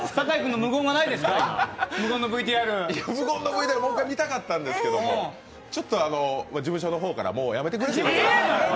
無言のＶＴＲもう１回見たかったんですけどちょっと事務所の方からもうやめてくれと。